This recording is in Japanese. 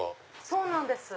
そうなんです。